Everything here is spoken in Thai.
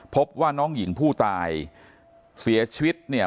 พบว่าน้องหญิงผู้ตายเสียชีวิตเนี่ย